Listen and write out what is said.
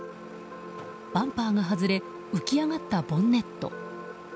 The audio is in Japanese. バンパーが外れ浮き上がったボンネット。